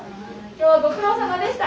今日はご苦労さまでした。